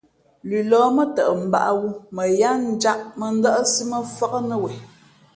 Lʉlɔ̌ mά tαʼ mbǎʼwū mα yáá njāʼ mᾱdάʼsí mά fák nά wen.